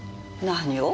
何を？